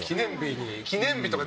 記念日とか。